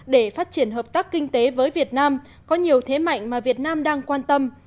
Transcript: để phát triển hợp tác kinh tế với việt nam có nhiều thế mạnh mà việt nam đang quan tâm